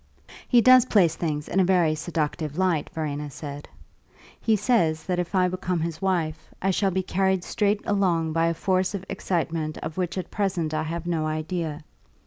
"He does place things in a very seductive light," Verena said; "he says that if I become his wife I shall be carried straight along by a force of excitement of which at present I have no idea.